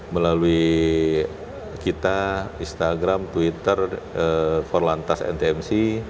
melalui kita instagram twitter forlantas ntmc